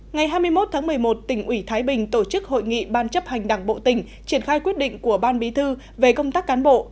ngày hai mươi một tháng một mươi một tỉnh ủy thái bình tổ chức hội nghị ban chấp hành đảng bộ tỉnh triển khai quyết định của ban bí thư về công tác cán bộ